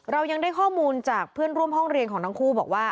เรายังได้ข้อมูลจากเพื่อนร่วมห้องเรียนของทั้งคู่บอกว่า